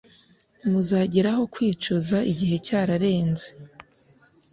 muzageraho mwicuze igihe cyararenze